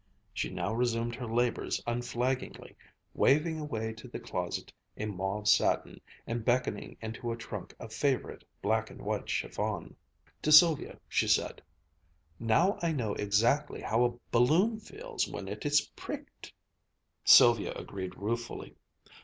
She now resumed her labors unflaggingly, waving away to the closet a mauve satin, and beckoning into a trunk a favorite black and white chiffon. To Sylvia she said, "Now I know exactly how a balloon feels when it is pricked." Sylvia agreed ruefully.